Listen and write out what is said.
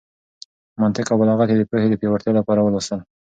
منطق او بلاغت يې د پوهې د پياوړتيا لپاره ولوستل.